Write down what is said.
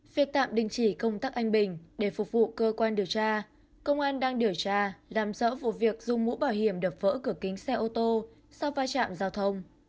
việc tạm bình chỉ công tắc anh bình để phục vụ cơ quan điều tra công an đang điều tra làm rỡ vụ việc dùng mũ bảo hiểm đập vỡ cửa kính xe ô tô sau phá trạm giao thông